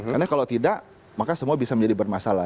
karena kalau tidak maka semua bisa menjadi bermasalah